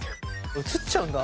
移っちゃうんだ。